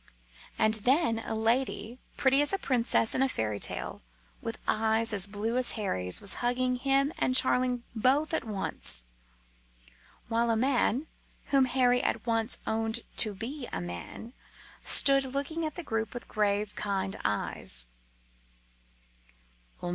And then a lady, pretty as a princess in a fairy tale, with eyes as blue as Harry's, was hugging him and Charling both at once; while a man, whom Harry at once owned to be a man, stood looking at the group with grave, kind eyes.